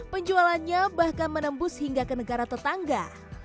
penjualannya bahkan menembus hingga ke negara tetangga